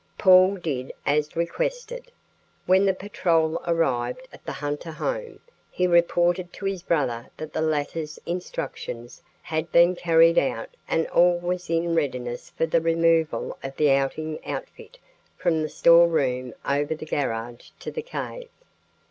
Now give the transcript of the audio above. Paul did as requested. When the patrol arrived at the Hunter home, he reported to his brother that the latter's instructions had been carried out and all was in readiness for the removal of the outing outfit from the storeroom over the garage to the cave.